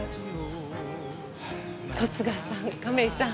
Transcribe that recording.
十津川さん亀井さん